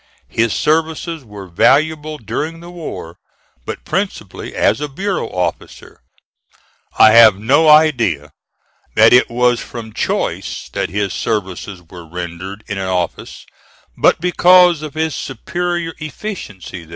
His services were valuable during the war, but principally as a bureau officer. I have no idea that it was from choice that his services were rendered in an office, but because of his superior efficiency there.